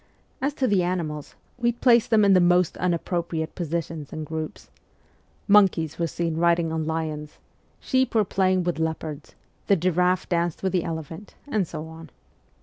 As to the animals, we placed them in the most unappro priate positions and groups : monkeys were seen riding on lions, sheep were playing with leopards, the giraffe danced with the elephant, and so on.